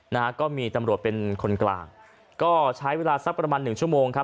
นะฮะก็มีตำรวจเป็นคนกลางก็ใช้เวลาสักประมาณหนึ่งชั่วโมงครับ